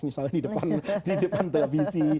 misalnya di depan televisi